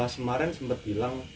semarin sempat bilang